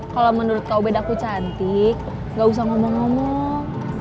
kalau menurut kau bedaku cantik gak usah ngomong ngomong